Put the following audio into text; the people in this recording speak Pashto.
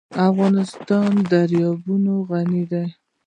افغانستان په دریابونه غني دی.